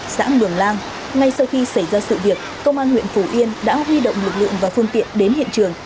tại bản đông xã mưởng lang ngay sau khi xảy ra sự việc công an huyện phù yên đã huy động lực lượng và phương tiện đến hiện trường